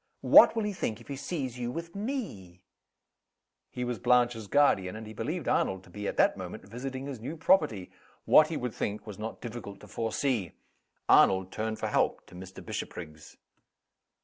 "What will he think if he sees you with me?" He was Blanche's guardian, and he believed Arnold to be at that moment visiting his new property. What he would think was not difficult to foresee. Arnold turned for help to Mr. Bishopriggs.